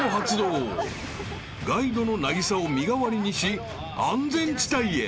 ［ガイドの凪咲を身代わりにし安全地帯へ］